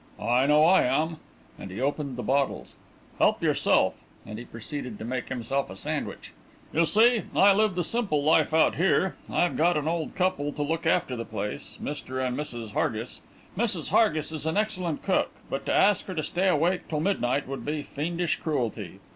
"I know I am," and he opened the bottles. "Help yourself," and he proceeded to make himself a sandwich. "You see, I live the simple life out here. I've got an old couple to look after the place Mr. and Mrs. Hargis. Mrs. Hargis is an excellent cook but to ask her to stay awake till midnight would be fiendish cruelty.